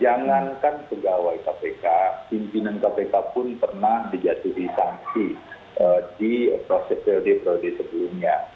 jangankan pegawai kpk pimpinan kpk pun pernah dijatuhi sanksi di proses periode periode sebelumnya